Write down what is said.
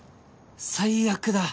最悪だ！